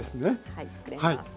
はい作れます。